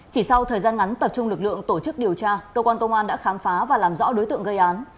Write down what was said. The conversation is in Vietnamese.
chỉ sau thời gian ngắn tập trung lực lượng tổ chức điều tra cơ quan công an đã khám phá và làm rõ đối tượng gây án